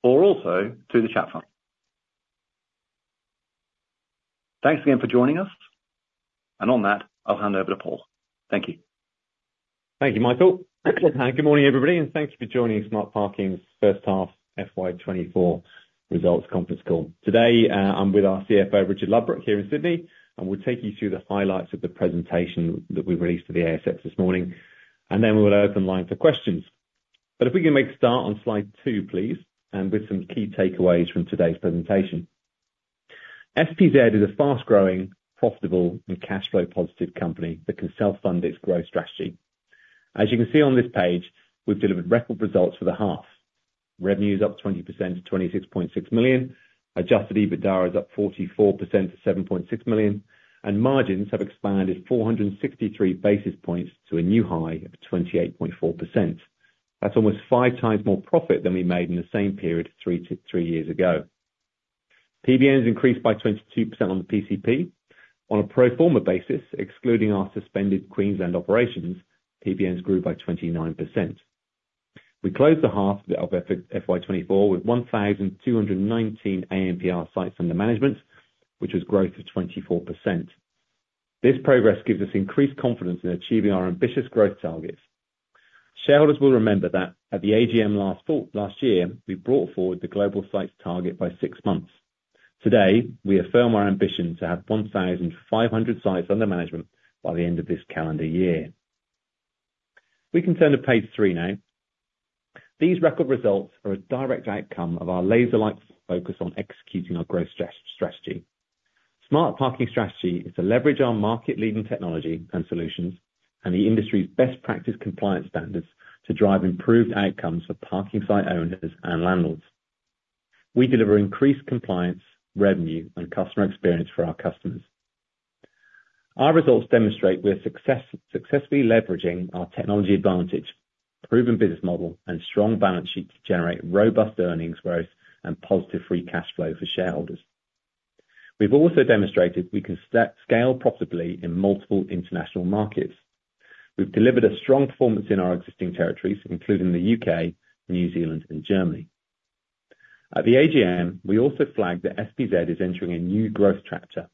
Or also through the chat phone. Thanks again for joining us, and on that, I'll hand over to Paul. Thank you. Thank you, Michael. Good morning, everybody, and thank you for joining Smart Parking's first half FY 2024 results conference call. Today, I'm with our CFO, Richard Ludbrook, here in Sydney, and we'll take you through the highlights of the presentation that we released to the ASX this morning, and then we will open line for questions. If we can make a start on slide 2, please, and with some key takeaways from today's presentation. SPZ is a fast-growing, profitable, and cash flow positive company that can self-fund its growth strategy. As you can see on this page, we've delivered record results for the half: revenues up 20% to 26.6 million, adjusted EBITDA is up 44% to 7.6 million, and margins have expanded 463 basis points to a new high of 28.4%. That's almost five times more profit than we made in the same period three years ago. PBNs increased by 22% on the PCP. On a pro forma basis, excluding our suspended Queensland operations, PBNs grew by 29%. We closed the half of FY24 with 1,219 ANPR sites under management, which was growth of 24%. This progress gives us increased confidence in achieving our ambitious growth targets. Shareholders will remember that at the AGM last year, we brought forward the global sites target by 6 months. Today, we affirm our ambition to have 1,500 sites under management by the end of this calendar year. We can turn to page 3 now. These record results are a direct outcome of our laser-like focus on executing our growth strategy. Smart Parking's strategy is to leverage our market-leading technology and solutions, and the industry's best practice compliance standards to drive improved outcomes for parking site owners and landlords. We deliver increased compliance, revenue, and customer experience for our customers. Our results demonstrate we are successfully leveraging our technology advantage, proven business model, and strong balance sheet to generate robust earnings growth and positive free cash flow for shareholders. We've also demonstrated we can scale profitably in multiple international markets. We've delivered a strong performance in our existing territories, including the UK, New Zealand, and Germany. At the AGM, we also flagged that SPZ is entering a new growth chapter,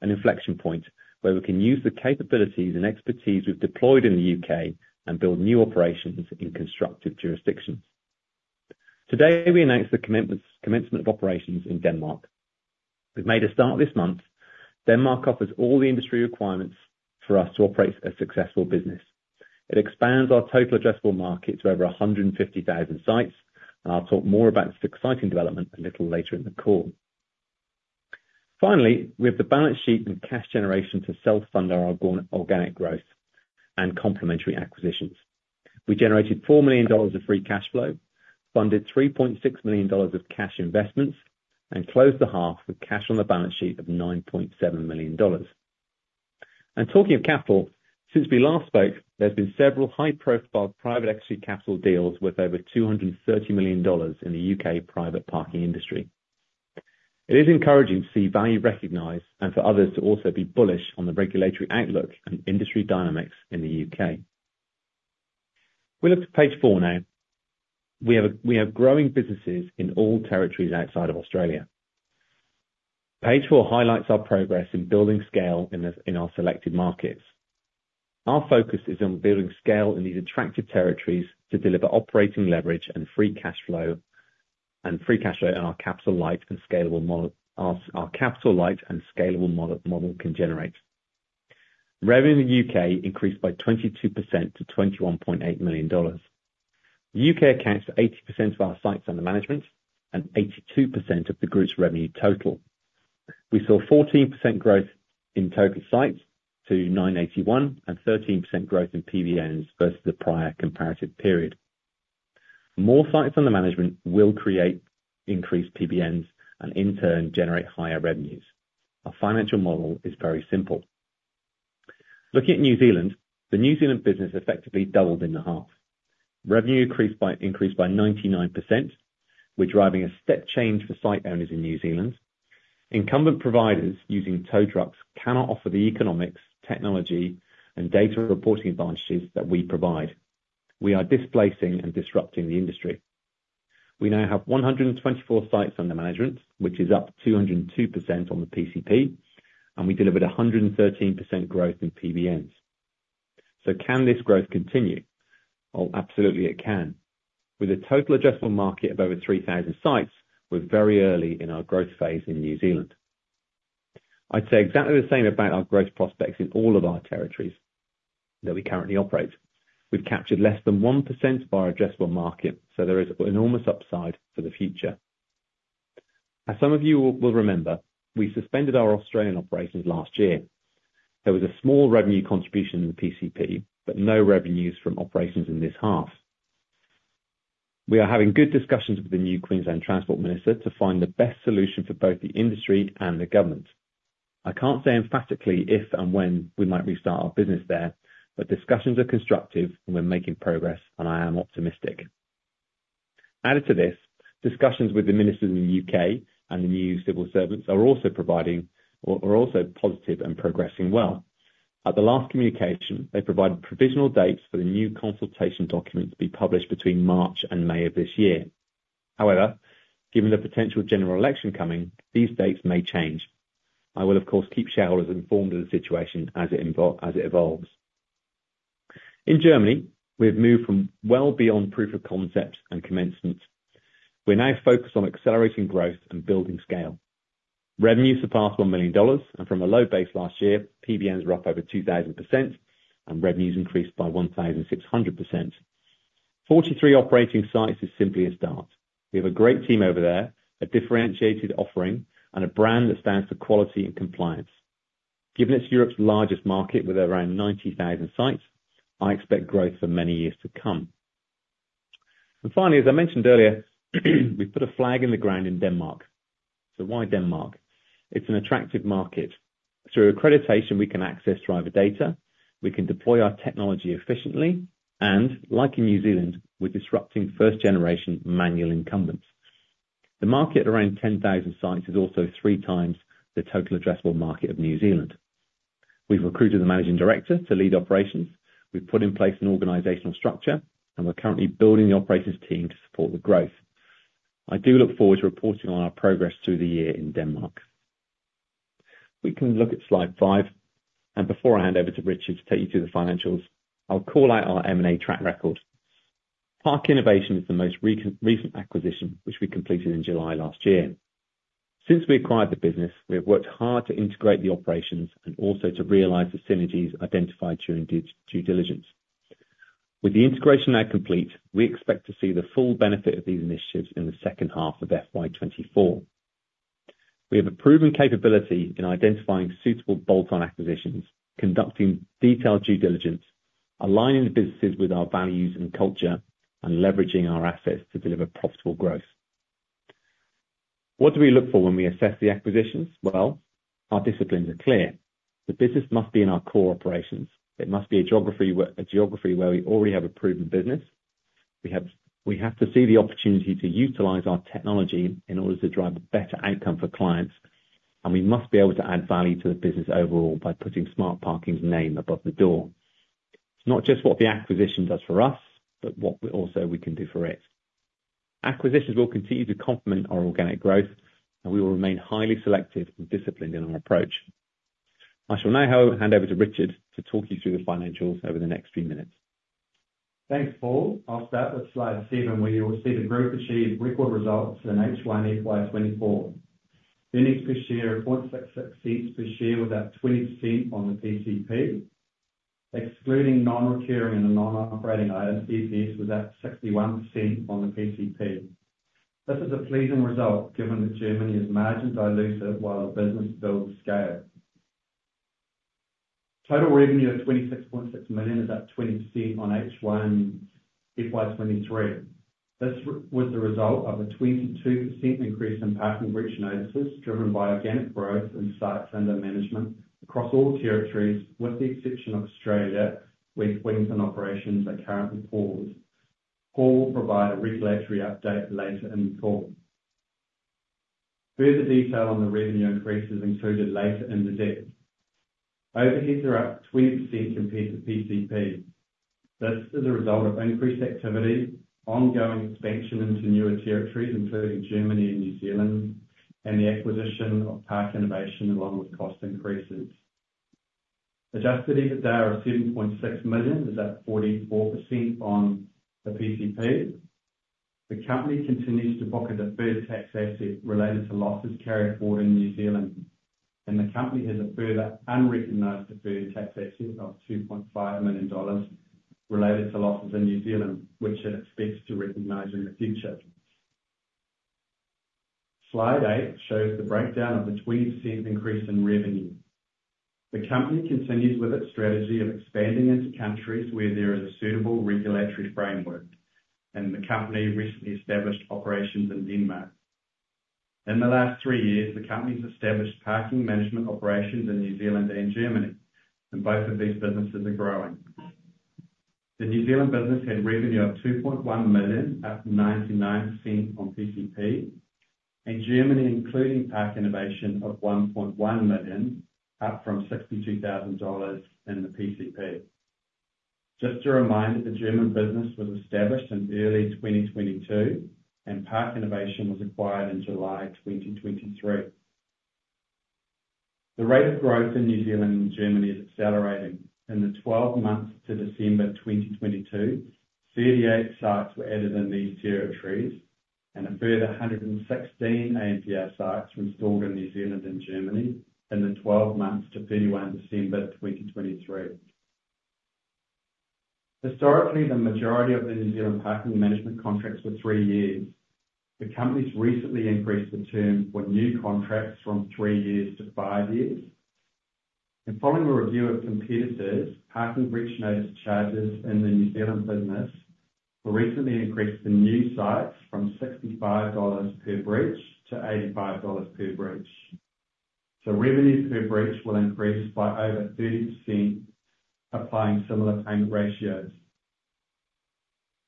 an inflection point where we can use the capabilities and expertise we've deployed in the UK and build new operations in constructive jurisdictions. Today, we announced the commencement of operations in Denmark. We've made a start this month. Denmark offers all the industry requirements for us to operate a successful business. It expands our total addressable market to over 150,000 sites, and I'll talk more about this exciting development a little later in the call. Finally, we have the balance sheet and cash generation to self-fund our organic growth and complementary acquisitions. We generated 4 million dollars of free cash flow, funded 3.6 million dollars of cash investments, and closed the half with cash on the balance sheet of 9.7 million dollars. Talking of capital, since we last spoke, there have been several high-profile private equity capital deals worth over 230 million dollars in the UK private parking industry. It is encouraging to see value recognized and for others to also be bullish on the regulatory outlook and industry dynamics in the UK. We look to page 4 now. We have growing businesses in all territories outside of Australia. Page 4 highlights our progress in building scale in our selected markets. Our focus is on building scale in these attractive territories to deliver operating leverage and free cash flow and free cash flow and our capital light and scalable model our capital light and scalable model can generate. Revenue in the UK increased by 22% to 21.8 million dollars. The UK accounts for 80% of our sites under management and 82% of the group's revenue total. We saw 14% growth in total sites to 981 and 13% growth in PBNs versus the prior comparative period. More sites under management will create increased PBNs and, in turn, generate higher revenues. Our financial model is very simple. Looking at New Zealand, the New Zealand business effectively doubled in the half. Revenue increased by 99%. We're driving a step change for site owners in New Zealand. Incumbent providers using tow trucks cannot offer the economics, technology, and data reporting advantages that we provide. We are displacing and disrupting the industry. We now have 124 sites under management, which is up 202% on the PCP, and we delivered 113% growth in PBNs. So can this growth continue? Oh, absolutely, it can. With a total addressable market of over 3,000 sites, we're very early in our growth phase in New Zealand. I'd say exactly the same about our growth prospects in all of our territories that we currently operate. We've captured less than 1% of our addressable market, so there is enormous upside for the future. As some of you will remember, we suspended our Australian operations last year. There was a small revenue contribution in the PCP, but no revenues from operations in this half. We are having good discussions with the new Queensland Transport Minister to find the best solution for both the industry and the government. I can't say emphatically if and when we might restart our business there, but discussions are constructive, and we're making progress, and I am optimistic. Added to this, discussions with the ministers in the UK and the new civil servants are also positive and progressing well. At the last communication, they provided provisional dates for the new consultation document to be published between March and May of this year. However, given the potential general election coming, these dates may change. I will, of course, keep shareholders informed of the situation as it evolves. In Germany, we have moved from well beyond proof of concept and commencement. We now focus on accelerating growth and building scale. Revenue surpassed 1 million dollars, and from a low base last year, PBNs were up over 2,000%, and revenues increased by 1,600%. 43 operating sites is simply a start. We have a great team over there, a differentiated offering, and a brand that stands for quality and compliance. Given it's Europe's largest market with around 90,000 sites, I expect growth for many years to come. And finally, as I mentioned earlier, we've put a flag in the ground in Denmark. So why Denmark? It's an attractive market. Through accreditation, we can access driver data, we can deploy our technology efficiently, and, like in New Zealand, we're disrupting first-generation manual incumbents. The market at around 10,000 sites is also 3x the total addressable market of New Zealand. We've recruited the managing director to lead operations. We've put in place an organizational structure, and we're currently building the operations team to support the growth. I do look forward to reporting on our progress through the year in Denmark. We can look at slide 5, and before I hand over to Richard to take you through the financials, I'll call out our M&A track record. Park Innovation is the most recent acquisition, which we completed in July last year. Since we acquired the business, we have worked hard to integrate the operations and also to realize the synergies identified during due diligence. With the integration now complete, we expect to see the full benefit of these initiatives in the second half of FY24. We have a proven capability in identifying suitable bolt-on acquisitions, conducting detailed due diligence, aligning the businesses with our values and culture, and leveraging our assets to deliver profitable growth. What do we look for when we assess the acquisitions? Well, our disciplines are clear. The business must be in our core operations. It must be a geography where we already have a proven business. We have to see the opportunity to utilize our technology in order to drive a better outcome for clients, and we must be able to add value to the business overall by putting Smart Parking's name above the door. It's not just what the acquisition does for us, but also what we can do for it. Acquisitions will continue to complement our organic growth, and we will remain highly selective and disciplined in our approach. I shall now hand over to Richard to talk you through the financials over the next few minutes. Thanks, Paul. I'll start with slide 7, where you will see the group achieve record results in H1 FY24. Earnings per share: 0.66 cents per share was at 20% on the PCP. Excluding non-recurring and non-operating items, EPS was at 61% on the PCP. This is a pleasing result given that Germany is margin dilutive while the business builds scale. Total revenue of 26.6 million is at 20% on H1 FY23. This was the result of a 22% increase in parking breach notices driven by organic growth in sites under management across all territories, with the exception of Australia, where Queensland operations are currently paused. Paul will provide a regulatory update later in the call. Further detail on the revenue increases included later in the deck. Overhead is up 20% compared to PCP. This is a result of increased activity, ongoing expansion into newer territories, including Germany and New Zealand, and the acquisition of Park Innovation along with cost increases. Adjusted EBITDA of 7.6 million is at 44% on the PCP. The company continues to pocket deferred tax assets related to losses carried forward in New Zealand, and the company has a further unrecognised deferred tax asset of 2.5 million dollars related to losses in New Zealand, which it expects to recognise in the future. Slide 8 shows the breakdown of the 20% increase in revenue. The company continues with its strategy of expanding into countries where there is a suitable regulatory framework, and the company recently established operations in Denmark. In the last three years, the company has established parking management operations in New Zealand and Germany, and both of these businesses are growing. The New Zealand business had revenue of 2.1 million up 99% on PCP, and Germany, including Park Innovation, of 1.1 million up from 62,000 dollars in the PCP. Just a reminder, the German business was established in early 2022, and Park Innovation was acquired in July 2023. The rate of growth in New Zealand and Germany is accelerating. In the 12 months to December 2022, 38 sites were added in these territories, and a further 116 ANPR sites were installed in New Zealand and Germany in the 12 months to 31 December 2023. Historically, the majority of the New Zealand parking management contracts were three years. The company has recently increased the term for new contracts from three years to five years. Following a review of competitors, parking breach notice charges in the New Zealand business were recently increased for new sites from 65 dollars per breach to 85 dollars per breach. Revenue per breach will increase by over 30% applying similar payment ratios.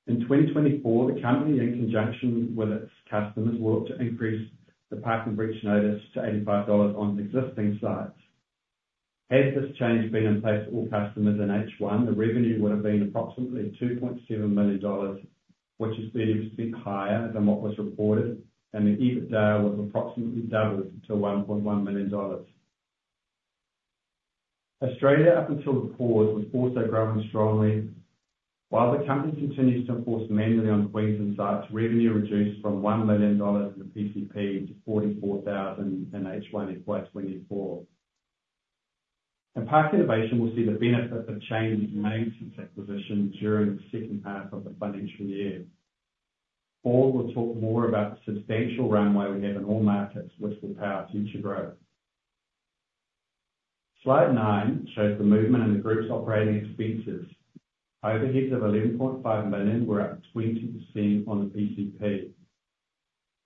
In 2024, the company, in conjunction with its customers, will look to increase the parking breach notice to 85 dollars on existing sites. Had this change been in place for all customers in H1, the revenue would have been approximately 2.7 million dollars, which is 30% higher than what was reported, and the EBITDA would have approximately doubled to 1.1 million dollars. Australia, up until the pause, was also growing strongly. While the company continues to enforce manually on Queensland sites, revenue reduced from 1 million dollars in the PCP to 44,000 in H1 FY24. Park Innovation will see the benefit of changes made since acquisition during the second half of the financial year. Paul will talk more about the substantial runway we have in all markets, which will power future growth. Slide 9 shows the movement in the group's operating expenses. Overheads of 11.5 million were up 20% on the PCP.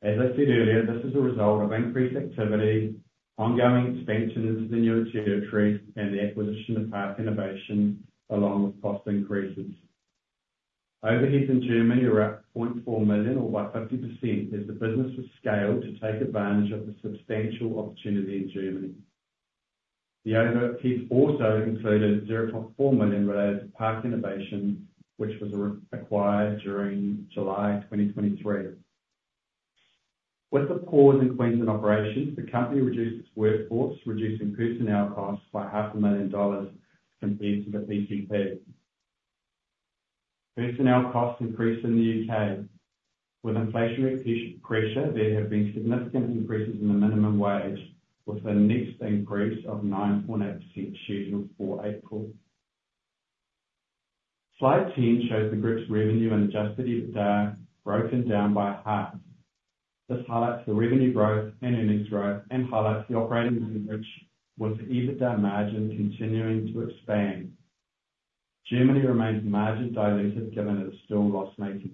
As I said earlier, this is a result of increased activity, ongoing expansions into the newer territories, and the acquisition of Park Innovation along with cost increases. Overheads in Germany are up 0.4 million, or by 50%, as the business was scaled to take advantage of the substantial opportunity in Germany. The overheads also included 0.4 million related to Park Innovation, which was acquired during July 2023. With the pause in Queensland operations, the company reduced its workforce, reducing personnel costs by 500,000 dollars compared to the PCP. Personnel costs increase in the UK. With inflationary pressure, there have been significant increases in the minimum wage, with the next increase of 9.8% scheduled for April. Slide 10 shows the group's revenue and Adjusted EBITDA broken down by half. This highlights the revenue growth and earnings growth and highlights the operating leverage with the EBITDA margin continuing to expand. Germany remains margin diluted given its still loss-making.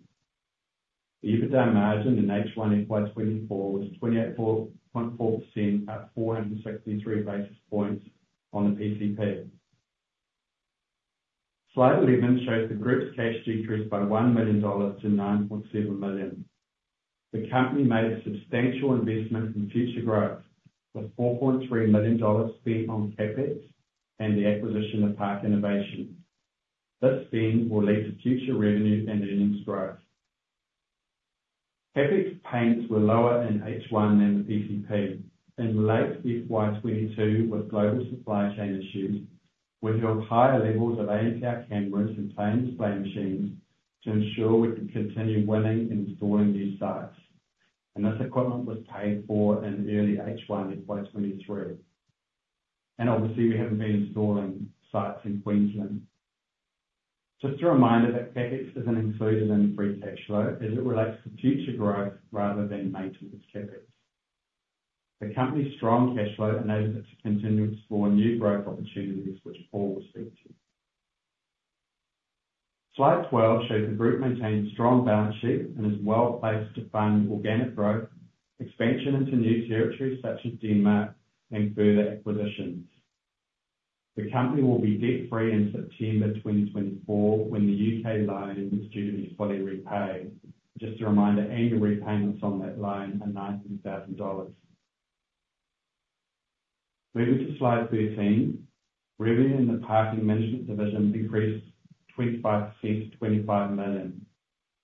The EBITDA margin in H1 FY24 was 28.4% at 463 basis points on the PCP. Slide 11 shows the group's cash decrease by 1 million dollars to 9.7 million. The company made a substantial investment in future growth, with 4.3 million dollars spent on CapEx and the acquisition of Park Innovation. This spend will lead to future revenue and earnings growth. CapEx spends were lower in H1 than the PCP. In late FY22, with global supply chain issues, we held higher levels of ANPR cameras and pay and display machines to ensure we could continue winning in installing new sites. This equipment was paid for in early H1 FY23. Obviously, we haven't been installing sites in Queensland. Just a reminder that CapEx isn't included in free cash flow as it relates to future growth rather than made towards CapEx. The company's strong cash flow enables it to continue to explore new growth opportunities, which Paul will speak to. Slide 12 shows the group maintains strong balance sheet and is well placed to fund organic growth, expansion into new territories such as Denmark, and further acquisitions. The company will be debt-free in September 2024 when the UK loan is due to be fully repaid. Just a reminder, annual repayments on that loan are 900,000 dollars. Moving to slide 13, revenue in the parking management division increased 25% to 25 million.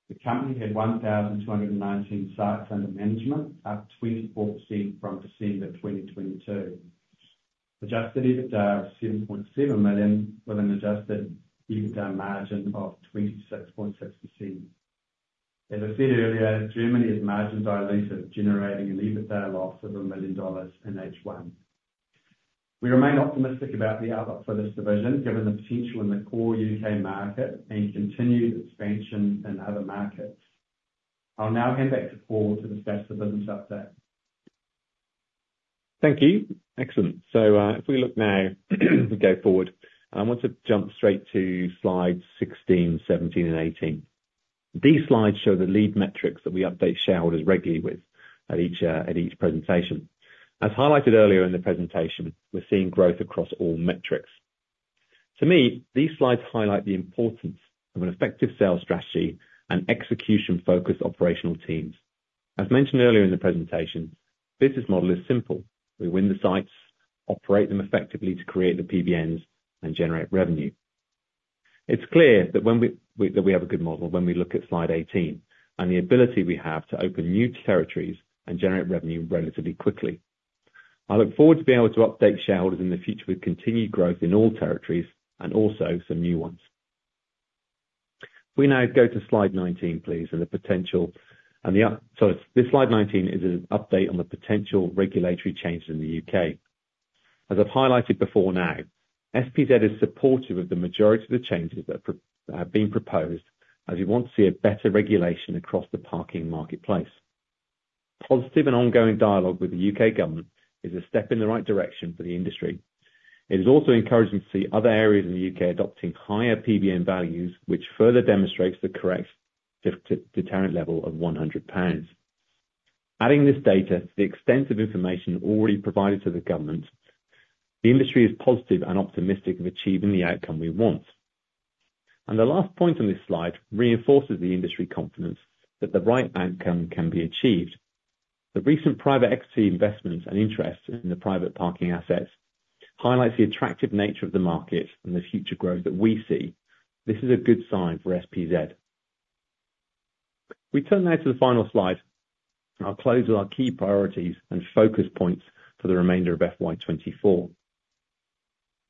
The company had 1,219 sites under management, up 24% from December 2022. Adjusted EBITDA is 7.7 million with an adjusted EBITDA margin of 26.6%. As I said earlier, Germany is margin dilutive, generating an EBITDA loss of 1 million dollars in H1. We remain optimistic about the outlook for this division given the potential in the core U.K. market and continued expansion in other markets. I'll now hand back to Paul to discuss the business update. Thank you. Excellent. So if we look now, if we go forward, I want to jump straight to slides 16, 17, and 18. These slides show the lead metrics that we update shareholders regularly with at each presentation. As highlighted earlier in the presentation, we're seeing growth across all metrics. To me, these slides highlight the importance of an effective sales strategy and execution-focused operational teams. As mentioned earlier in the presentation, the business model is simple. We win the sites, operate them effectively to create the PBNs, and generate revenue. It's clear that we have a good model when we look at slide 18 and the ability we have to open new territories and generate revenue relatively quickly. I look forward to being able to update shareholders in the future with continued growth in all territories and also some new ones. If we now go to slide 19, please, this slide 19 is an update on the potential regulatory changes in the UK. As I've highlighted before now, SPZ is supportive of the majority of the changes that have been proposed as we want to see a better regulation across the parking marketplace. Positive and ongoing dialogue with the UK government is a step in the right direction for the industry. It is also encouraging to see other areas in the UK adopting higher PBN values, which further demonstrates the correct deterrent level of 100 pounds. Adding this data to the extent of information already provided to the government, the industry is positive and optimistic of achieving the outcome we want. The last point on this slide reinforces the industry confidence that the right outcome can be achieved. The recent private equity investments and interest in the private parking assets highlight the attractive nature of the market and the future growth that we see. This is a good sign for SPZ. We turn now to the final slide. I'll close with our key priorities and focus points for the remainder of FY24.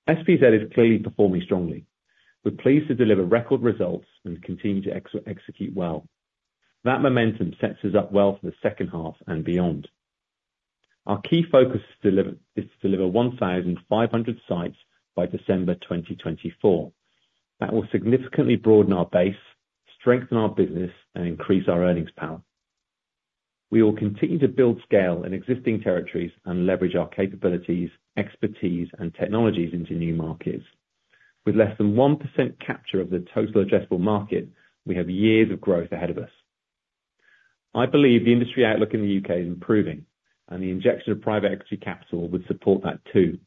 SPZ is clearly performing strongly. We're pleased to deliver record results and continue to execute well. That momentum sets us up well for the second half and beyond. Our key focus is to deliver 1,500 sites by December 2024. That will significantly broaden our base, strengthen our business, and increase our earnings power. We will continue to build scale in existing territories and leverage our capabilities, expertise, and technologies into new markets. With less than 1% capture of the total addressable market, we have years of growth ahead of us. I believe the industry outlook in the UK is improving, and the injection of private equity capital would support that too.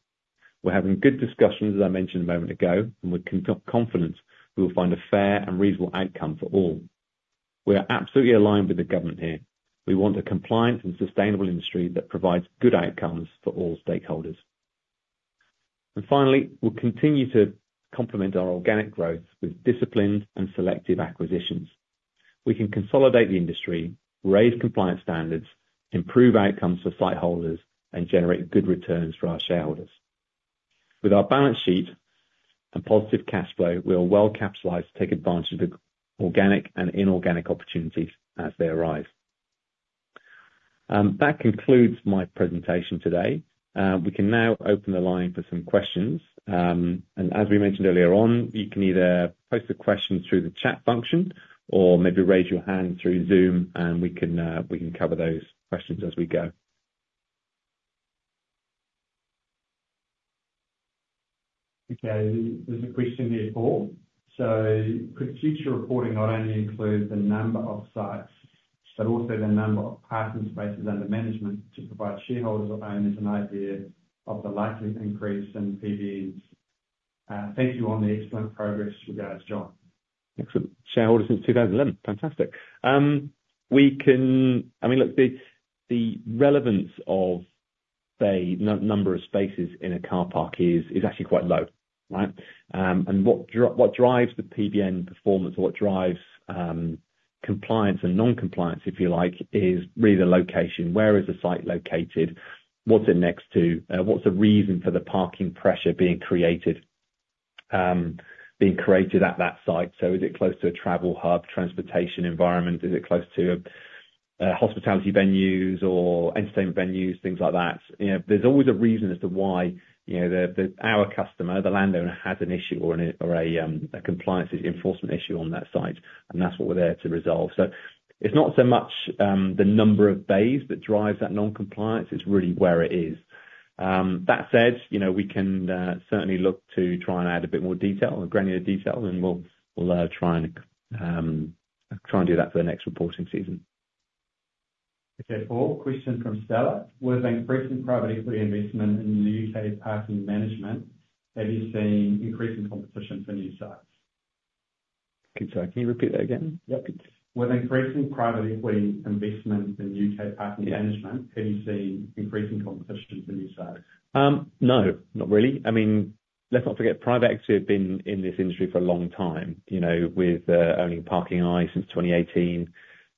We're having good discussions, as I mentioned a moment ago, and with confidence we will find a fair and reasonable outcome for all. We are absolutely aligned with the government here. We want a compliant and sustainable industry that provides good outcomes for all stakeholders. And finally, we'll continue to complement our organic growth with disciplined and selective acquisitions. We can consolidate the industry, raise compliance standards, improve outcomes for site holders, and generate good returns for our shareholders. With our balance sheet and positive cash flow, we will well capitalized to take advantage of the organic and inorganic opportunities as they arise. That concludes my presentation today. We can now open the line for some questions. As we mentioned earlier on, you can either post a question through the chat function or maybe raise your hand through Zoom, and we can cover those questions as we go. Okay. There's a question here, Paul. So could future reporting not only include the number of sites but also the number of parking spaces under management to provide shareholders or owners an idea of the likely increase in PBNs? Thank you for the excellent progress. Regards, John. Excellent. Shareholders since 2011. Fantastic. I mean, look, the relevance of, say, number of spaces in a car park is actually quite low, right? And what drives the PBN performance or what drives compliance and non-compliance, if you like, is really the location. Where is the site located? What's it next to? What's the reason for the parking pressure being created at that site? So is it close to a travel hub, transportation environment? Is it close to hospitality venues or entertainment venues, things like that? There's always a reason as to why our customer, the landowner, has an issue or a compliance enforcement issue on that site, and that's what we're there to resolve. So it's not so much the number of bays that drives that non-compliance. It's really where it is. That said, we can certainly look to try and add a bit more detail, granular detail, and we'll try and do that for the next reporting season. Okay, Paul. Question from Stella. With increasing private equity investment in the U.K. parking management, have you seen increasing competition for new sites? Sorry, can you repeat that again? Yep. With increasing private equity investment in U.K. parking management, have you seen increasing competition for new sites? No, not really. I mean, let's not forget, private equity have been in this industry for a long time, with owning ParkingEye since 2018.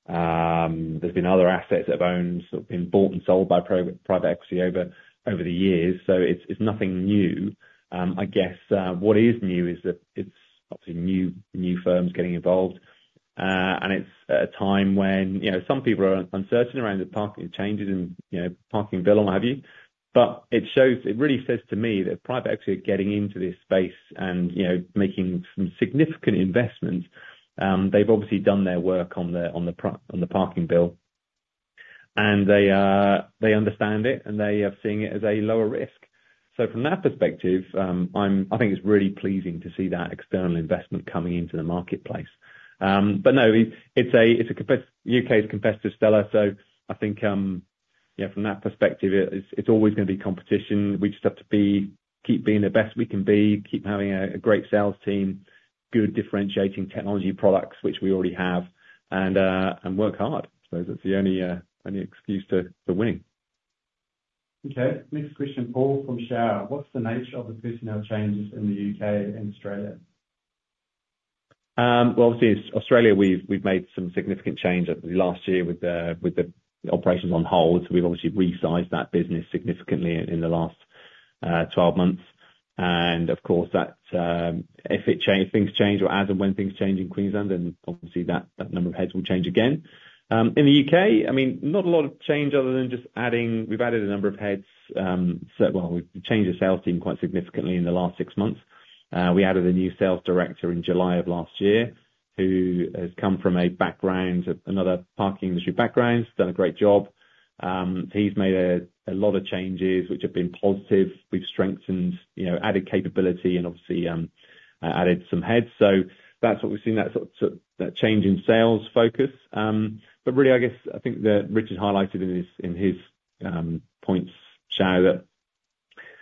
There's been other assets that have been bought and sold by private equity over the years, so it's nothing new. I guess what is new is that it's obviously new firms getting involved, and it's a time when some people are uncertain around the parking changes and Parking Bill, what have you. But it really says to me that private equity are getting into this space and making some significant investments. They've obviously done their work on the Parking Bill, and they understand it, and they are seeing it as a lower risk. So from that perspective, I think it's really pleasing to see that external investment coming into the marketplace. But no, it's a UK's competitive, Stella. So I think from that perspective, it's always going to be competition. We just have to keep being the best we can be, keep having a great sales team, good differentiating technology products, which we already have, and work hard. I suppose that's the only excuse to winning. Okay. Next question, Paul, from Shara. What's the nature of the personnel changes in the UK and Australia? Well, obviously, Australia, we've made some significant change last year with the operations on hold. So we've obviously resized that business significantly in the last 12 months. And of course, if things change or as and when things change in Queensland, then obviously that number of heads will change again. In the U.K., I mean, not a lot of change other than just adding we've added a number of heads. Well, we've changed the sales team quite significantly in the last six months. We added a new sales director in July of last year who has come from another parking industry background, done a great job. He's made a lot of changes, which have been positive. We've added capability and obviously added some heads. So that's what we've seen, that change in sales focus. But really, I think that Richard highlighted in his points, Shara,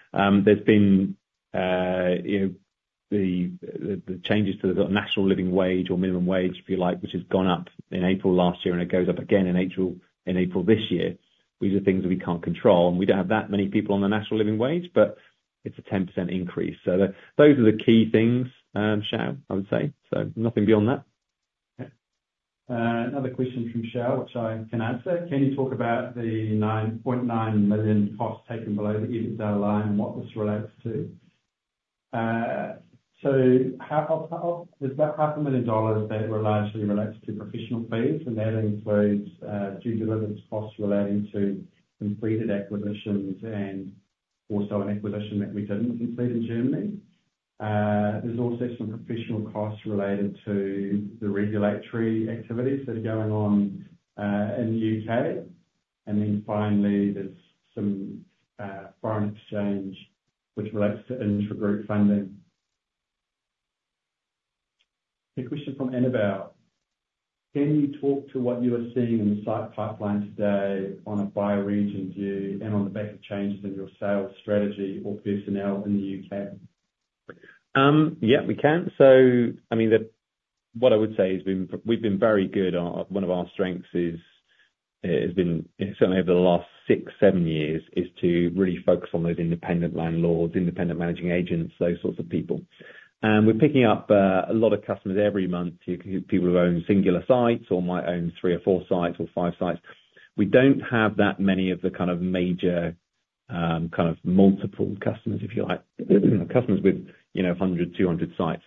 that there's been the changes to the sort of National Living Wage or minimum wage, if you like, which has gone up in April last year and it goes up again in April this year, which are things that we can't control. We don't have that many people on the National Living Wage, but it's a 10% increase. So those are the key things, Shara, I would say. So nothing beyond that. Another question from Shara, which I can answer. Can you talk about the 0.9 million cost taken below the EBITDA line and what this relates to? So there's about 0.5 million dollars that largely relates to professional fees, and that includes due diligence costs relating to completed acquisitions and also an acquisition that we didn't complete in Germany. There's also some professional costs related to the regulatory activities that are going on in the UK. And then finally, there's some foreign exchange, which relates to intra-group funding. Okay, question from Annabel. Can you talk to what you are seeing in the site pipeline today on a by-region view and on the back of changes in your sales strategy or personnel in the UK? Yeah, we can. So I mean, what I would say is we've been very good. One of our strengths has been certainly over the last 6, 7 years is to really focus on those independent landlords, independent managing agents, those sorts of people. And we're picking up a lot of customers every month. People who own singular sites or might own 3 or 4 sites or 5 sites. We don't have that many of the kind of major kind of multiple customers, if you like, customers with 100, 200 sites.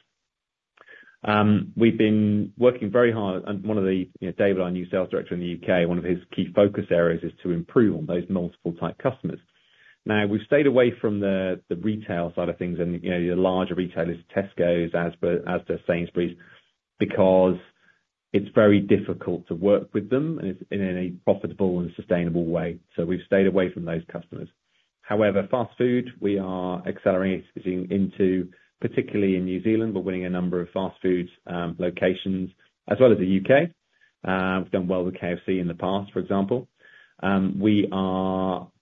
We've been working very hard. And David, our new sales director in the U.K., one of his key focus areas is to improve on those multiple-type customers. Now, we've stayed away from the retail side of things and the larger retailers, Tesco's, Asda, Sainsbury's, because it's very difficult to work with them in a profitable and sustainable way. So we've stayed away from those customers. However, fast food, we are accelerating into particularly in New Zealand. We're winning a number of fast food locations as well as the UK. We've done well with KFC in the past, for example.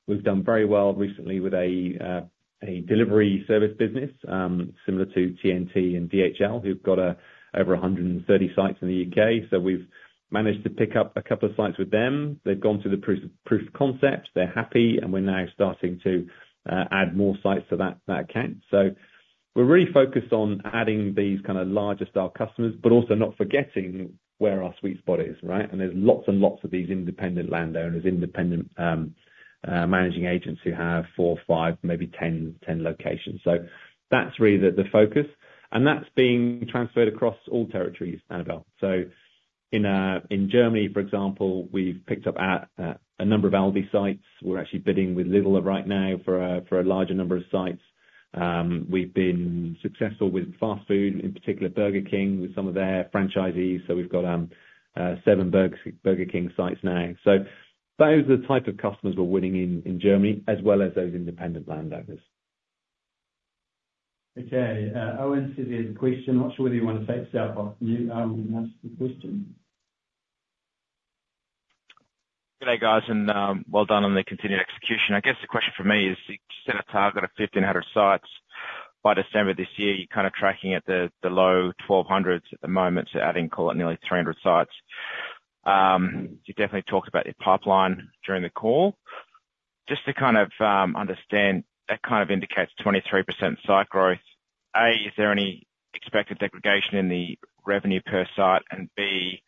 We've done very well recently with a delivery service business similar to TNT and DHL, who've got over 130 sites in the UK. So we've managed to pick up a couple of sites with them. They've gone through the proof of concept. They're happy, and we're now starting to add more sites to that account. So we're really focused on adding these kind of larger-style customers, but also not forgetting where our sweet spot is, right? And there's lots and lots of these independent landowners, independent managing agents who have four, five, maybe 10 locations. So that's really the focus. And that's being transferred across all territories, Annabel. So in Germany, for example, we've picked up a number of Aldi sites. We're actually bidding with Lidl right now for a larger number of sites. We've been successful with fast food, in particular Burger King, with some of their franchisees. So we've got seven Burger King sites now. So those are the type of customers we're winning in Germany as well as those independent landowners. Okay. Owen Siviour, question. Not sure whether you want to take Stella and ask the question. Good day, guys. Well done on the continued execution. I guess the question for me is, you set a target of 1,500 sites by December this year. You're kind of tracking at the low 1,200s at the moment to adding nearly 300 sites. You definitely talked about your pipeline during the call. Just to kind of understand, that kind of indicates 23% site growth. A, is there any expected degradation in the revenue per site? And B,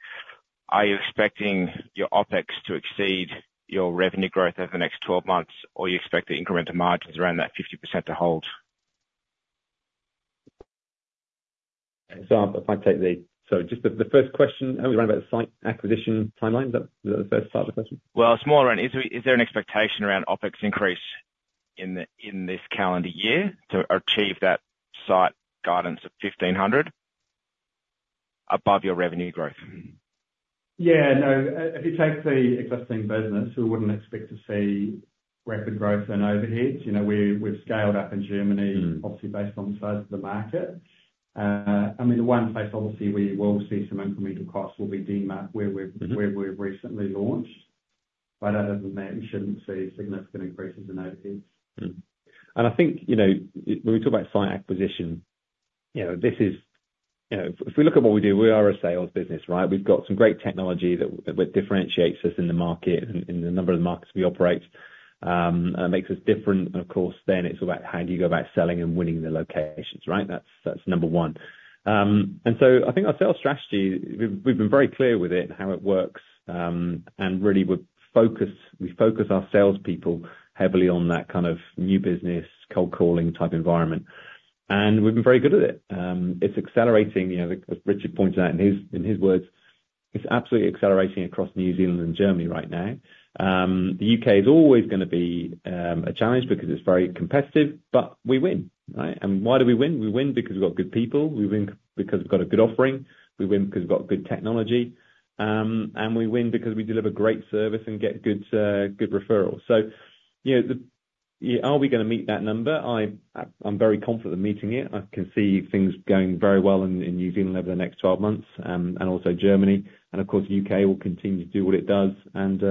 are you expecting your OpEx to exceed your revenue growth over the next 12 months, or do you expect to increment the margins around that 50% to hold? If I take the so just the first question, it was around about the site acquisition timeline. Is that the first part of the question? Well, it's more around is there an expectation around OpEx increase in this calendar year to achieve that site guidance of 1,500 above your revenue growth? Yeah. No, if you take the existing business, we wouldn't expect to see rapid growth and overheads. We've scaled up in Germany, obviously, based on the size of the market. I mean, the one place, obviously, where you will see some incremental costs will be Denmark, where we've recently launched. But other than that, we shouldn't see significant increases in overheads. I think when we talk about site acquisition, this is if we look at what we do, we are a sales business, right? We've got some great technology that differentiates us in the market, in the number of markets we operate. It makes us different. Of course, then it's about how do you go about selling and winning the locations, right? That's number one. So I think our sales strategy, we've been very clear with it and how it works. Really, we focus our salespeople heavily on that kind of new business, cold-calling type environment. We've been very good at it. It's accelerating. As Richard pointed out in his words, it's absolutely accelerating across New Zealand and Germany right now. The UK is always going to be a challenge because it's very competitive, but we win, right? Why do we win? We win because we've got good people. We win because we've got a good offering. We win because we've got good technology. And we win because we deliver great service and get good referrals. So are we going to meet that number? I'm very confident in meeting it. I can see things going very well in New Zealand over the next 12 months and also Germany. And of course, the U.K. will continue to do what it does. And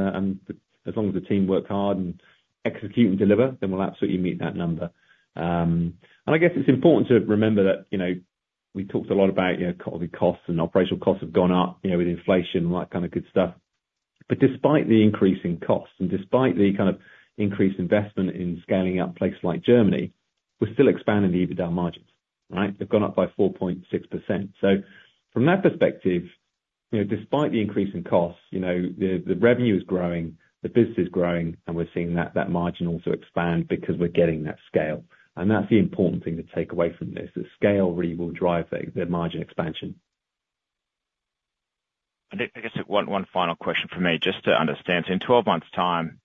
as long as the team work hard and execute and deliver, then we'll absolutely meet that number. And I guess it's important to remember that we talked a lot about, obviously, costs and operational costs have gone up with inflation and that kind of good stuff. But despite the increasing costs and despite the kind of increased investment in scaling up a place like Germany, we're still expanding the EBITDA margins, right? They've gone up by 4.6%. So from that perspective, despite the increase in costs, the revenue is growing, the business is growing, and we're seeing that margin also expand because we're getting that scale. And that's the important thing to take away from this, that scale really will drive the margin expansion. I guess one final question for me just to understand. So in 12 months' time,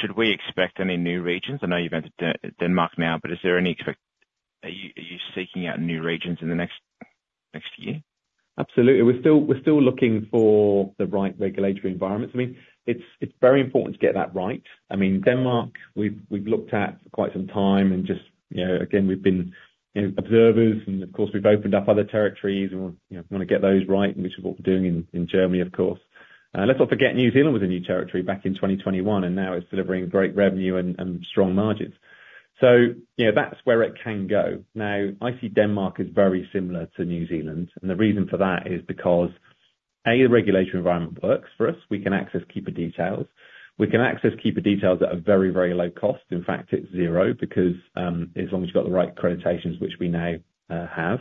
should we expect any new regions? I know you've entered Denmark now, but are you seeking out new regions in the next year? Absolutely. We're still looking for the right regulatory environments. I mean, it's very important to get that right. I mean, Denmark, we've looked at for quite some time. And just again, we've been observers. And of course, we've opened up other territories, and we want to get those right, which is what we're doing in Germany, of course. Let's not forget New Zealand was a new territory back in 2021, and now it's delivering great revenue and strong margins. So that's where it can go. Now, I see Denmark as very similar to New Zealand. And the reason for that is because, A, the regulatory environment works for us. We can access keeper details. We can access keeper details at a very, very low cost. In fact, it's zero because as long as you've got the right accreditations, which we now have.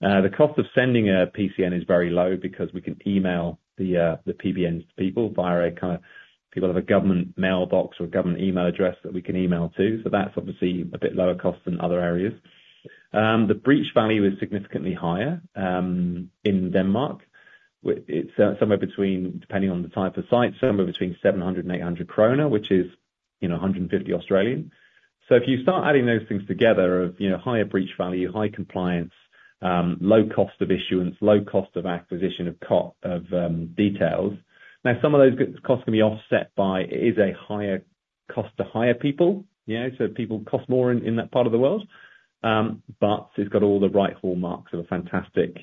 The cost of sending a PCN is very low because we can email the PBNs to people via a kind of people have a government mailbox or a government email address that we can email to. So that's obviously a bit lower cost than other areas. The breach value is significantly higher in Denmark. It's somewhere between, depending on the type of site, somewhere between 700-800 krone, which is 150. So if you start adding those things together of higher breach value, high compliance, low cost of issuance, low cost of acquisition of details, now, some of those costs can be offset by it is a higher cost to hire people. So people cost more in that part of the world. But it's got all the right hallmarks of a fantastic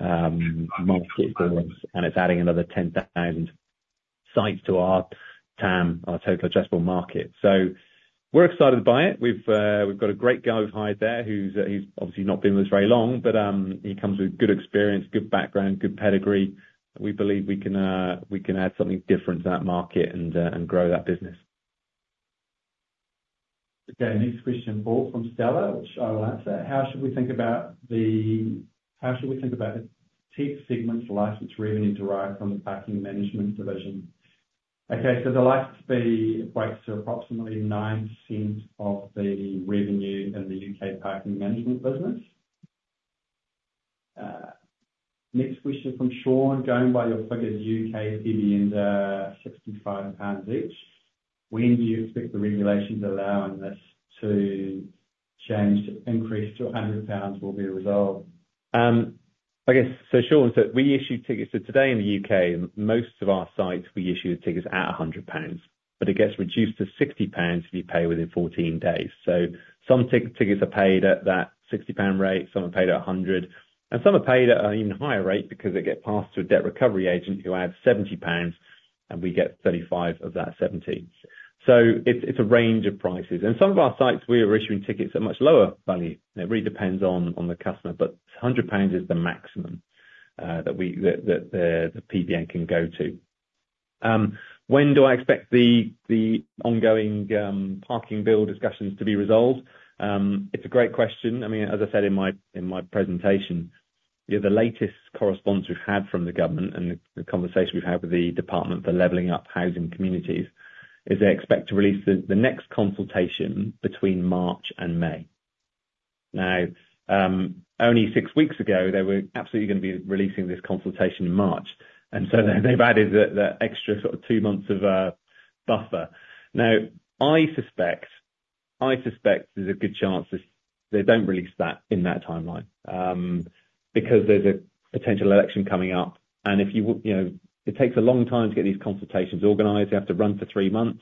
market for us, and it's adding another 10,000 sites to our TAM, our total addressable market. So we're excited by it. We've got a great guy over in the UK there who's obviously not been with us very long, but he comes with good experience, good background, good pedigree. We believe we can add something different to that market and grow that business. Okay. Next question, Paul, from Stella, which I will answer. How should we think about the TIP segment's license revenue derived from the parking management division? Okay. So the license fee equates to approximately 9 cents of the revenue in the UK parking management business. Next question from Sean. Going by your figures, UK PBNs are 65 pounds each. When do you expect the regulations allowing this to change to increase to 100 pounds will be resolved? I guess so Sean, so we issue tickets. So today in the UK, most of our sites, we issue tickets at 100 pounds, but it gets reduced to 60 pounds if you pay within 14 days. So some tickets are paid at that 60 pound rate, some are paid at 100, and some are paid at an even higher rate because they get passed to a debt recovery agent who adds 70 pounds, and we get 35 of that 70. So it's a range of prices. And some of our sites, we are issuing tickets at much lower value. It really depends on the customer, but 100 pounds is the maximum that the PBN can go to. When do I expect the ongoing parking bill discussions to be resolved? It's a great question. I mean, as I said in my presentation, the latest correspondence we've had from the government and the conversation we've had with the Department for Levelling Up, Housing and Communities is they expect to release the next consultation between March and May. Now, only six weeks ago, they were absolutely going to be releasing this consultation in March. And so they've added that extra sort of two months of buffer. Now, I suspect there's a good chance they don't release that in that timeline because there's a potential election coming up. And if you it takes a long time to get these consultations organized. They have to run for three months.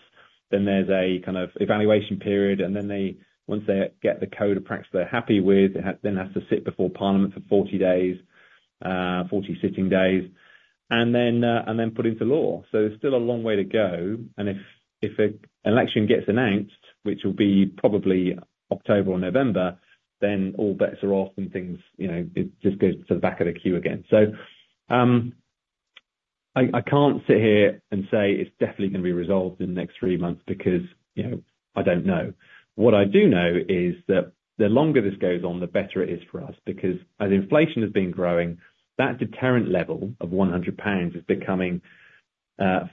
Then there's a kind of evaluation period. And then once they get the code of practice they're happy with, it then has to sit before Parliament for 40 days, 40 sitting days, and then put into law. So there's still a long way to go. And if an election gets announced, which will be probably October or November, then all bets are off and things, it just goes to the back of the queue again. So I can't sit here and say it's definitely going to be resolved in the next three months because I don't know. What I do know is that the longer this goes on, the better it is for us because as inflation has been growing, that deterrent level of 100 pounds is becoming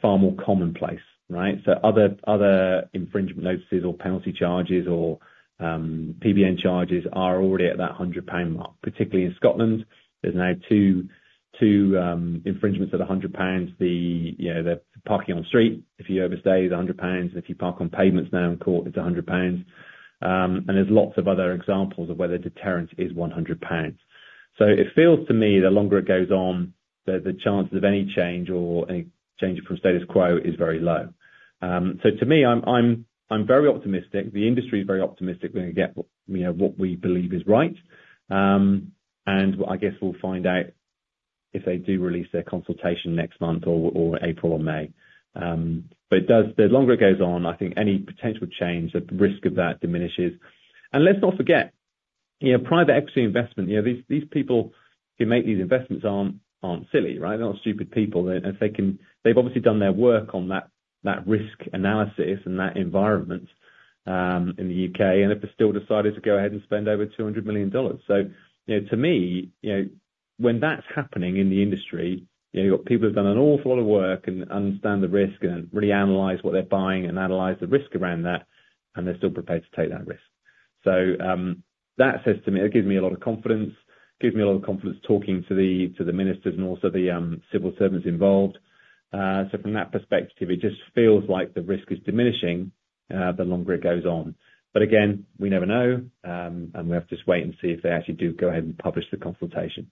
far more commonplace, right? So other infringement notices or penalty charges or PBN charges are already at that 100 pound mark. Particularly in Scotland, there's now two infringements at 100 pounds. The parking on street, if you overstay, is 100 pounds. And if you park on pavements now in court, it's 100 pounds. There's lots of other examples of where the deterrent is 100 pounds. So it feels to me the longer it goes on, the chances of any change or any change from status quo is very low. So to me, I'm very optimistic. The industry is very optimistic we're going to get what we believe is right. And I guess we'll find out if they do release their consultation next month or April or May. But the longer it goes on, I think any potential change, the risk of that diminishes. And let's not forget, private equity investment, these people who make these investments aren't silly, right? They're not stupid people. They've obviously done their work on that risk analysis and that environment in the UK, and if they still decided to go ahead and spend over $200 million. So to me, when that's happening in the industry, you've got people who've done an awful lot of work and understand the risk and really analyze what they're buying and analyze the risk around that, and they're still prepared to take that risk. So that says to me it gives me a lot of confidence. It gives me a lot of confidence talking to the ministers and also the civil servants involved. So from that perspective, it just feels like the risk is diminishing the longer it goes on. But again, we never know, and we have to just wait and see if they actually do go ahead and publish the consultation.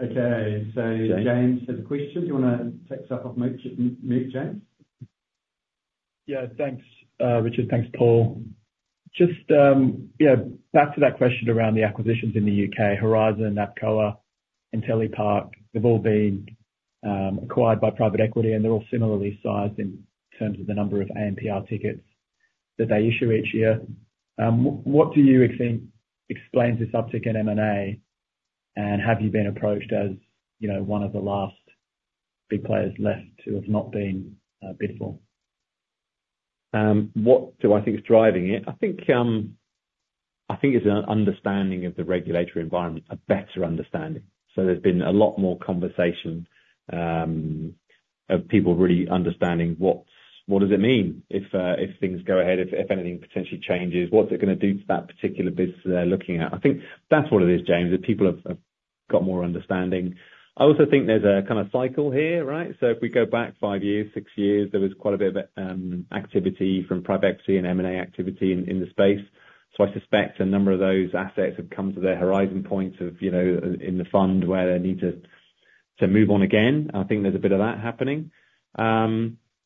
Okay. So James has a question. Do you want to take stuff off mute, James? Yeah. Thanks, Richard. Thanks, Paul. Just back to that question around the acquisitions in the UK, Horizon Parking, APCOA Parking, Intelli-Park, they've all been acquired by private equity, and they're all similarly sized in terms of the number of ANPR tickets that they issue each year. What do you think explains this uptick in M&A? And have you been approached as one of the last big players left who have not been bid for? What do I think is driving it? I think it's an understanding of the regulatory environment, a better understanding. So there's been a lot more conversation of people really understanding what does it mean if things go ahead, if anything potentially changes, what's it going to do to that particular business they're looking at. I think that's what it is, James, that people have got more understanding. I also think there's a kind of cycle here, right? So if we go back five years, six years, there was quite a bit of activity from private equity and M&A activity in the space. So I suspect a number of those assets have come to their horizon points in the fund where they need to move on again. I think there's a bit of that happening.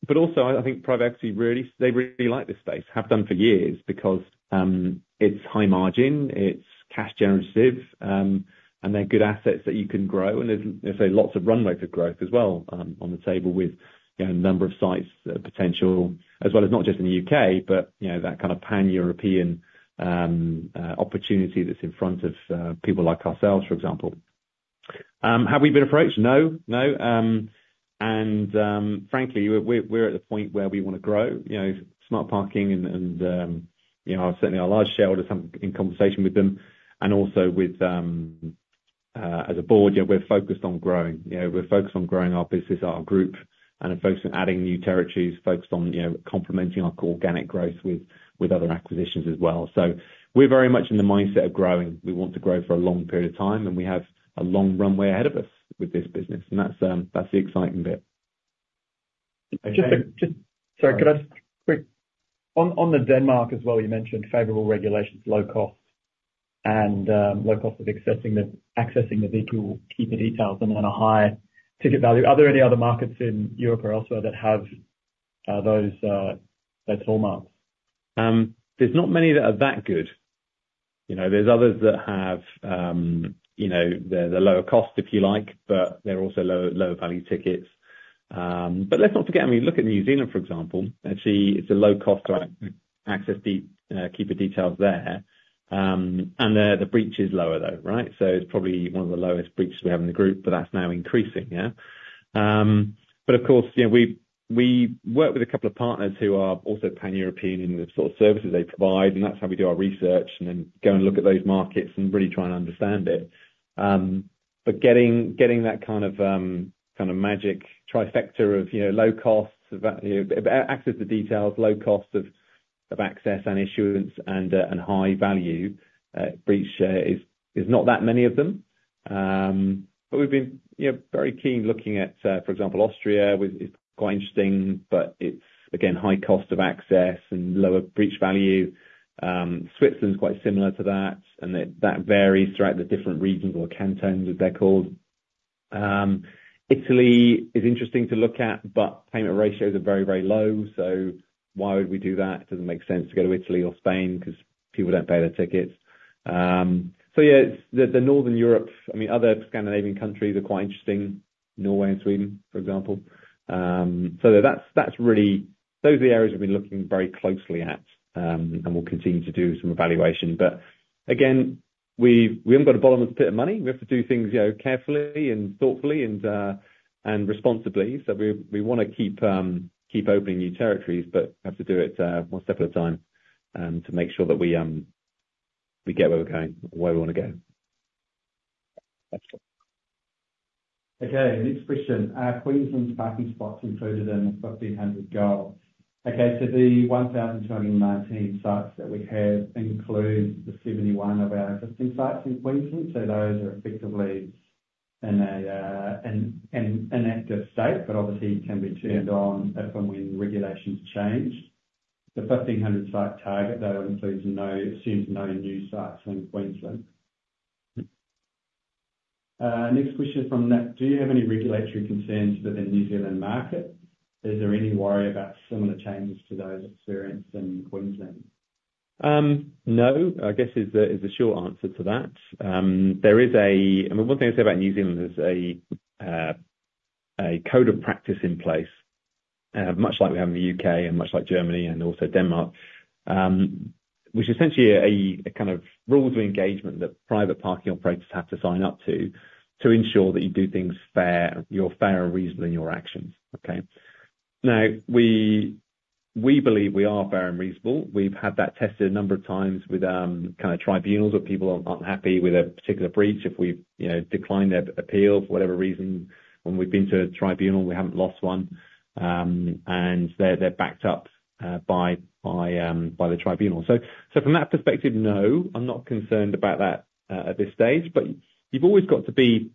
But also, I think private equity, they really like this space, have done for years because it's high margin, it's cash-generative, and they're good assets that you can grow. And there's lots of runway for growth as well on the table with a number of sites' potential, as well as not just in the UK, but that kind of pan-European opportunity that's in front of people like ourselves, for example. Have we been approached? No. No. And frankly, we're at the point where we want to grow Smart Parking, and certainly our large shareholders. I'm in conversation with them. And also as a board, we're focused on growing. We're focused on growing our business, our group, and focused on adding new territories, focused on complementing our organic growth with other acquisitions as well. So we're very much in the mindset of growing. We want to grow for a long period of time, and we have a long runway ahead of us with this business. And that's the exciting bit. Just sorry, could I just quick on the Denmark as well, you mentioned favorable regulations, low cost, and low cost of accessing the vehicle keeper details, and then a high ticket value. Are there any other markets in Europe or elsewhere that have those hallmarks? There's not many that are that good. There's others that have, they're lower cost, if you like, but they're also lower-value tickets. But let's not forget, I mean, look at New Zealand, for example. Actually, it's a low-cost access to keeper details there. And the breach is lower, though, right? So it's probably one of the lowest breaches we have in the group, but that's now increasing. Yeah? But of course, we work with a couple of partners who are also pan-European in the sort of services they provide, and that's how we do our research and then go and look at those markets and really try and understand it. But getting that kind of magic trifecta of low costs, access to details, low costs of access and issuance, and high value, breach is not that many of them. But we've been very keen looking at, for example, Austria. It's quite interesting, but it's, again, high cost of access and lower breach value. Switzerland's quite similar to that, and that varies throughout the different regions or cantons, as they're called. Italy is interesting to look at, but payment ratios are very, very low. So why would we do that? It doesn't make sense to go to Italy or Spain because people don't pay their tickets. So yeah, the northern Europe I mean, other Scandinavian countries are quite interesting, Norway and Sweden, for example. So those are the areas we've been looking very closely at, and we'll continue to do some evaluation. But again, we haven't got a bottomless pit of money. We have to do things carefully and thoughtfully and responsibly. We want to keep opening new territories, but have to do it one step at a time to make sure that we get where we're going or where we want to go. Excellent. Okay. Next question. Queensland's parking spots included in the 1,500 goal. Okay. So the 1,219 sites that we have include the 71 of our existing sites in Queensland. So those are effectively in an active state, but obviously can be turned on if and when regulations change. The 1,500-site target, though, includes, assumes no new sites in Queensland. Next question from Nick. Do you have any regulatory concerns for the New Zealand market? Is there any worry about similar changes to those experienced in Queensland? No, I guess is the short answer to that. I mean, one thing to say about New Zealand is a code of practice in place, much like we have in the U.K. and much like Germany and also Denmark, which is essentially a kind of rules of engagement that private parking operators have to sign up to to ensure that you do things fair, you're fair and reasonable in your actions, okay? Now, we believe we are fair and reasonable. We've had that tested a number of times with kind of tribunals where people aren't happy with a particular breach. If we've declined their appeal for whatever reason, when we've been to a tribunal, we haven't lost one, and they're backed up by the tribunal. So from that perspective, no, I'm not concerned about that at this stage. But you've always got to be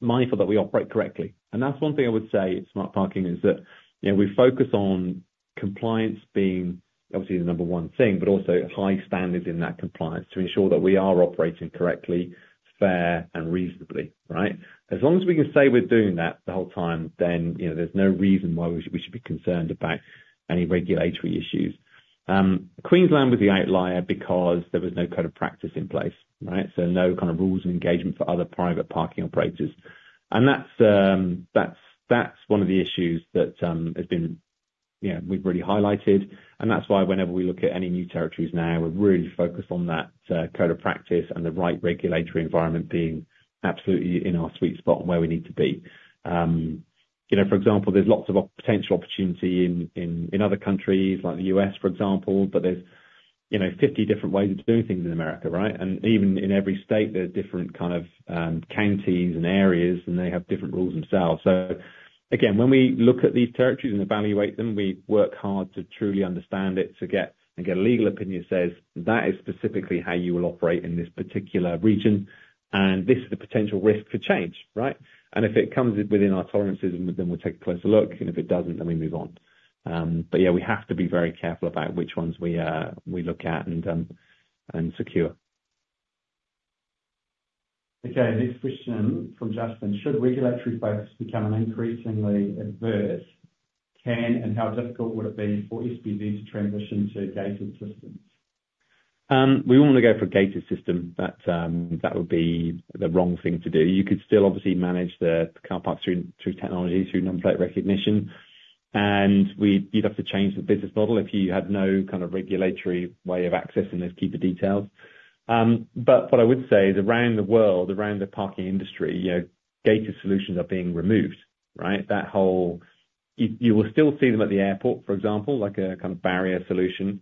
mindful that we operate correctly. And that's one thing I would say at Smart Parking is that we focus on compliance being obviously the number one thing, but also high standards in that compliance to ensure that we are operating correctly, fair, and reasonably, right? As long as we can say we're doing that the whole time, then there's no reason why we should be concerned about any regulatory issues. Queensland was the outlier because there was no code of practice in place, right? So no kind of rules of engagement for other private parking operators. And that's one of the issues that has been, we've really highlighted. And that's why whenever we look at any new territories now, we're really focused on that code of practice and the right regulatory environment being absolutely in our sweet spot and where we need to be. For example, there's lots of potential opportunity in other countries like the U.S., for example, but there's 50 different ways of doing things in America, right? Even in every state, there's different kind of counties and areas, and they have different rules themselves. Again, when we look at these territories and evaluate them, we work hard to truly understand it, to get a legal opinion that says, "That is specifically how you will operate in this particular region, and this is the potential risk for change," right? If it comes within our tolerances, then we'll take a closer look. If it doesn't, then we move on. Yeah, we have to be very careful about which ones we look at and secure. Okay. Next question from Jasmine. Should regulatory focus become increasingly adverse? How difficult would it be for SPZ to transition to gated systems? We all want to go for a gated system. That would be the wrong thing to do. You could still obviously manage the car park through technology, through number plate recognition. You'd have to change the business model if you had no kind of regulatory way of accessing those keeper details. What I would say is around the world, around the parking industry, gated solutions are being removed, right? You will still see them at the airport, for example, like a kind of barrier solution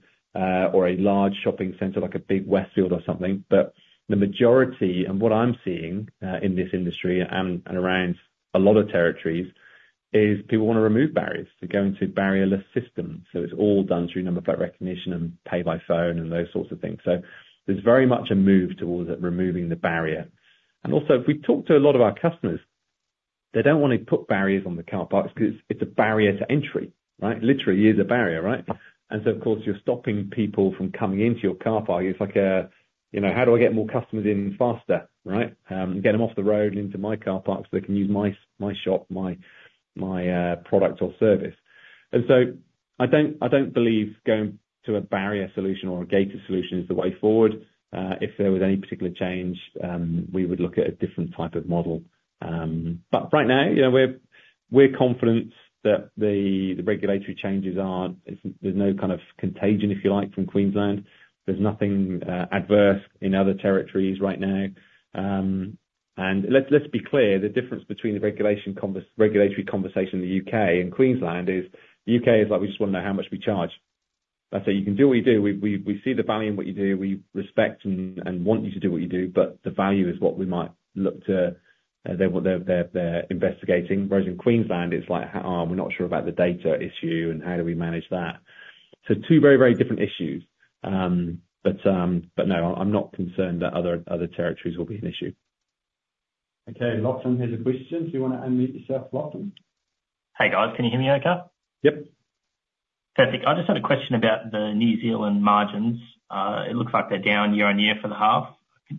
or a large shopping center like a big Westfield or something. The majority, and what I'm seeing in this industry and around a lot of territories, is people want to remove barriers, to go into barrier-less systems. It's all done through number plate recognition and pay by phone and those sorts of things. So there's very much a move towards removing the barrier. And also, if we talk to a lot of our customers, they don't want to put barriers on the car parks because it's a barrier to entry, right? Literally, it is a barrier, right? And so, of course, you're stopping people from coming into your car park. It's like, "How do I get more customers in faster, right, and get them off the road into my car park so they can use my shop, my product, or service?" And so I don't believe going to a barrier solution or a gated solution is the way forward. If there was any particular change, we would look at a different type of model. But right now, we're confident that the regulatory changes aren't. There's no kind of contagion, if you like, from Queensland. There's nothing adverse in other territories right now. And let's be clear, the difference between the regulatory conversation in the U.K. and Queensland is the U.K. is like, "We just want to know how much we charge." That's it. You can do what you do. We see the value in what you do. We respect and want you to do what you do, but the value is what we might look to they're investigating. Whereas in Queensland, it's like, we're not sure about the data issue, and how do we manage that?" So two very, very different issues. But no, I'm not concerned that other territories will be an issue. Okay. Lofton has a question. Do you want to unmute yourself, Lofton? Hey, guys. Can you hear me okay? Yep. Perfect. I just had a question about the New Zealand margins. It looks like they're down year-on-year for the half.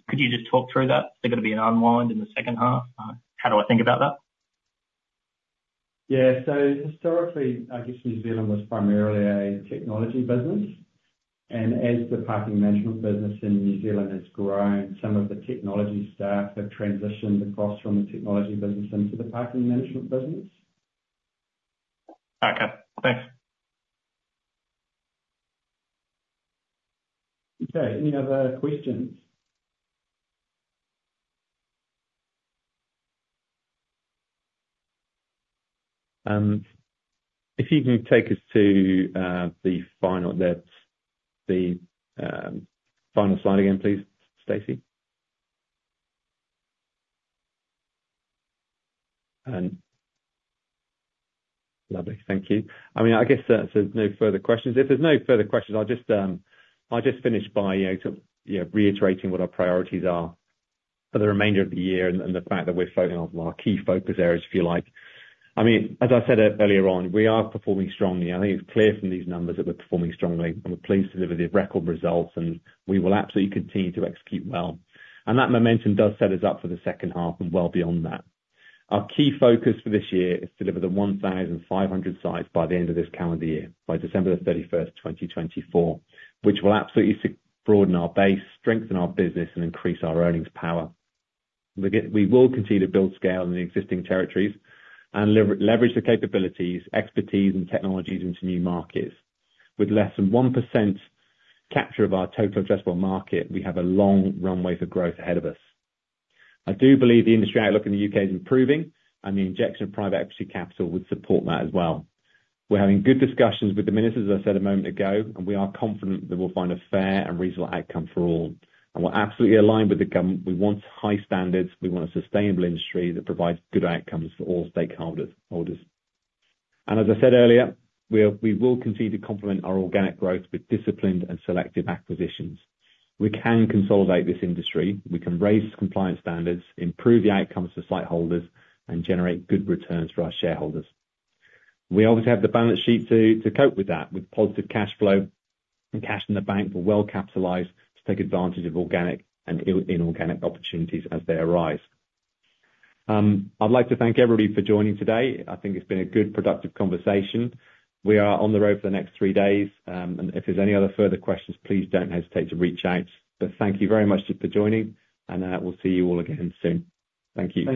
Could you just talk through that? Is there going to be an unwind in the second half? How do I think about that? Yeah. Historically, I guess New Zealand was primarily a technology business. As the parking management business in New Zealand has grown, some of the technology staff have transitioned across from the technology business into the parking management business. Okay. Thanks. Okay. Any other questions? If you can take us to the final slide again, please, Stacey. Lovely. Thank you. I mean, I guess there's no further questions. If there's no further questions, I'll just finish by reiterating what our priorities are for the remainder of the year and the fact that we're focusing on our key focus areas, if you like. I mean, as I said earlier on, we are performing strongly. I think it's clear from these numbers that we're performing strongly. And we're pleased to deliver the record results, and we will absolutely continue to execute well. And that momentum does set us up for the second half and well beyond that. Our key focus for this year is to deliver the 1,500 sites by the end of this calendar year, by December 31st, 2024, which will absolutely broaden our base, strengthen our business, and increase our earnings power. We will continue to build scale in the existing territories and leverage the capabilities, expertise, and technologies into new markets. With less than 1% capture of our total addressable market, we have a long runway for growth ahead of us. I do believe the industry outlook in the U.K. is improving, and the injection of private equity capital would support that as well. We're having good discussions with the ministers, as I said a moment ago, and we are confident that we'll find a fair and reasonable outcome for all. We're absolutely aligned with the government. We want high standards. We want a sustainable industry that provides good outcomes for all stakeholders. As I said earlier, we will continue to complement our organic growth with disciplined and selective acquisitions. We can consolidate this industry. We can raise compliance standards, improve the outcomes for site holders, and generate good returns for our shareholders. We obviously have the balance sheet to cope with that, with positive cash flow and cash in the bank that we'll capitalize to take advantage of organic and inorganic opportunities as they arise. I'd like to thank everybody for joining today. I think it's been a good, productive conversation. We are on the road for the next three days. If there's any other further questions, please don't hesitate to reach out. Thank you very much for joining, and we'll see you all again soon. Thank you.